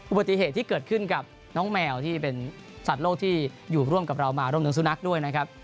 อุบัติเหตุที่เกิดขึ้นกับน้องแมวที่เป็นสัตว์โลกที่อยู่ร่วมกับเรามาร่วมถึงสุนัขด้วยนะครับ